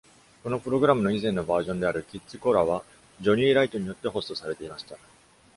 このプログラムの以前のバージョンである「Kids Korra」は、ジョニー・ライトによってホストされていました。